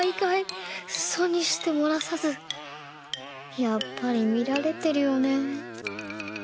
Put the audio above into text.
やっぱりみられてるよねぇ。